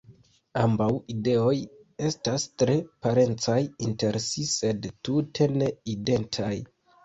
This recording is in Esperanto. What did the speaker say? Ambaŭ ideoj estas tre parencaj inter si sed tute ne identaj.